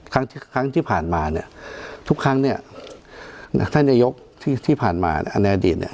ครั้งครั้งที่ผ่านมาเนี่ยทุกครั้งเนี่ยนะท่านนายกที่ผ่านมาอันในอดีตเนี่ย